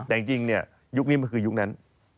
แต่จริงเนี่ยยุคนี้มันคือยุคนั้น